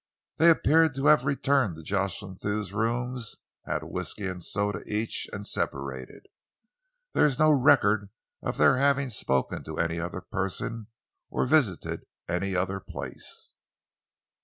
They appear to have returned to Jocelyn Thew's rooms, had a whisky and soda each and separated. There is no record of their having spoken to any other person or visited any other place."